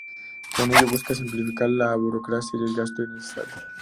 Con ello busca simplificar la burocracia y el gasto innecesario.